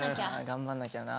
頑張んなきゃな。